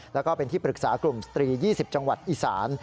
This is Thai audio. แล้วก็เป็นที่ปรึกษากลุ่มสตรี๒๐จังหวัดอีสาน